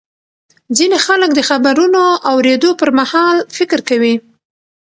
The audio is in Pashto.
ځینې خلک د خبرونو اورېدو پر مهال فکر کوي.